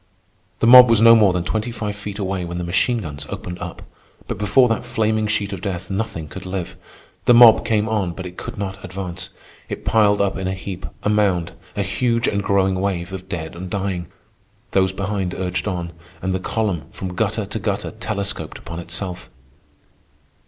The mob was no more than twenty five feet away when the machine guns opened up; but before that flaming sheet of death nothing could live. The mob came on, but it could not advance. It piled up in a heap, a mound, a huge and growing wave of dead and dying. Those behind urged on, and the column, from gutter to gutter, telescoped upon itself.